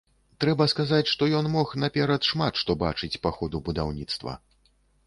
Трэба сказаць, што ён мог наперад шмат што бачыць па ходу будаўніцтва.